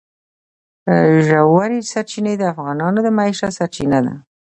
ژورې سرچینې د افغانانو د معیشت سرچینه ده.